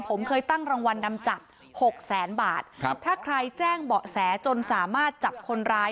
ผมเคยตั้งรางวัลนำจับหกแสนบาทครับถ้าใครแจ้งเบาะแสจนสามารถจับคนร้าย